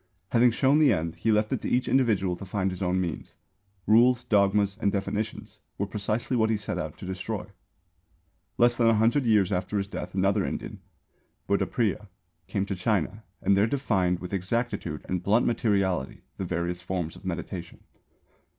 Having shown the end, he left it to each individual to find his own means. Rules, dogmas and definitions were precisely what he set out to destroy. Less than a hundred years after his death another Indian, Buddhapriya, came to China and there defined with exactitude and blunt materiality the various forms of meditation.